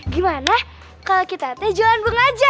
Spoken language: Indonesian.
gimana kalau kita teh jalan bung aja